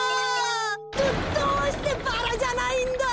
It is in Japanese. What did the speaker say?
どどうしてバラじゃないんだ！